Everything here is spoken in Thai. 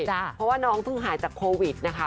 เพราะว่าน้องเพิ่งหายจากโควิดนะคะ